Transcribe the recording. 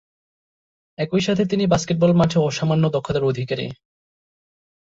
একই সাথে তিনি বাস্কেটবল মাঠে অসামান্য দক্ষতার অধিকারী।